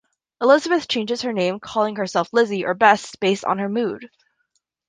Elizabeth changes her name, calling herself Lizzie or Bess, based on her mood.